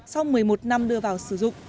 sau một mươi một năm đưa vào sử dụng